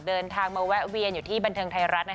เดินทางมาแวะเวียนอยู่ที่บันเทิงไทยรัฐ